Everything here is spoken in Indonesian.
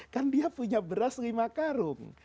kan dia punya beras lima karung